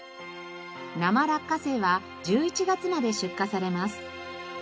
生落花生は１１月まで出荷されます。